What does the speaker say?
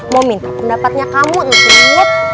mau minta pendapatnya kamu encut